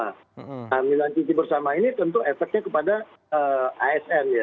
nah milan cuti bersama ini tentu efeknya kepada asn ya